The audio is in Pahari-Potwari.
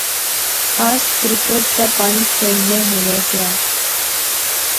اس کرکٹ تے پھنڈ کھیڈنے ہونے سیاں